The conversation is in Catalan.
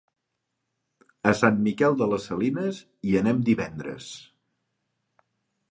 A Sant Miquel de les Salines hi anem divendres.